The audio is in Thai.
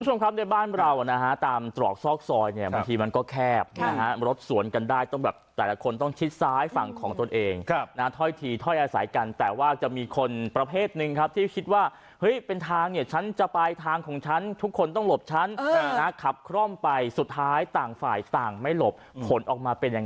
คุณผู้ชมครับในบ้านเรานะฮะตามตรอกซอกซอยเนี่ยบางทีมันก็แคบนะฮะรถสวนกันได้ต้องแบบแต่ละคนต้องชิดซ้ายฝั่งของตนเองนะถ้อยทีถ้อยอาศัยกันแต่ว่าจะมีคนประเภทหนึ่งครับที่คิดว่าเฮ้ยเป็นทางเนี่ยฉันจะไปทางของฉันทุกคนต้องหลบฉันนะขับคร่อมไปสุดท้ายต่างฝ่ายต่างไม่หลบผลออกมาเป็นอย่าง